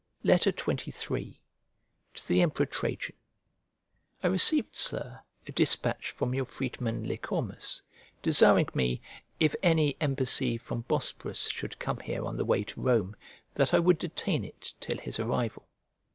XXIII To THE EMPEROR TRAJAN I RECEIVED, Sir, a dispatch from your freedman, Lycormas, desiring me, if any embassy from Bosporus should come here on the way to Rome, that I would detain it till his arrival.